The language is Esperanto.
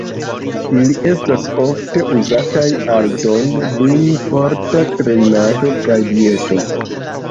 Ili estas ofte uzataj aldone dum forta trejnado kaj dieto.